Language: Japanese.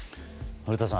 古田さん